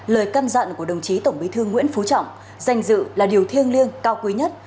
lời căn dặn của đồng chí tổng bí thư nguyễn phú trọng danh dự là điều thiêng liêng cao quý nhất